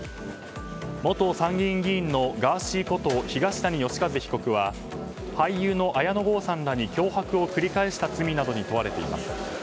元参議院議員のガーシーこと東谷義和被告は俳優の綾野剛さんらに脅迫を繰り返した罪などに問われています。